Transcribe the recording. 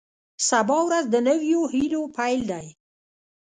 سبا ورځ د نویو هیلو پیل دی.